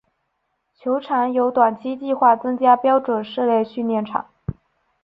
球场有短期计划增加标准室内训练场。